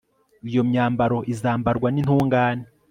iyo myambaro izambarwa n'intungane